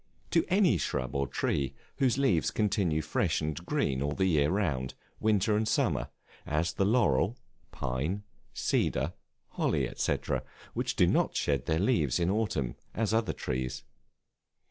To any shrub or tree whose leaves continue fresh and green all the year round, winter and summer, as the laurel, pine, cedar, holly, &c., which do not shed their leaves in autumn as other trees.